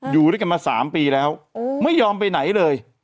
อยู่ด้วยกันมา๓ปีแล้วไม่ยอมไปไหนเลย